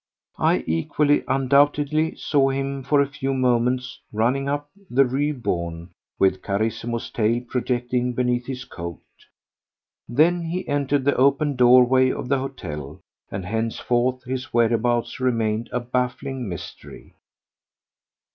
I equally undoubtedly saw him for a few moments running up the Rue Beaune with Carissimo's tail projecting beneath his coat. Then he entered the open doorway of the hotel, and henceforth his whereabouts remained a baffling mystery.